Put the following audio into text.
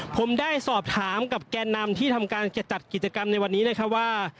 ผมได้สอบถามกับแกนนำที่ทำการจะจัดกิจกรรมในวันนี้นะครับว่า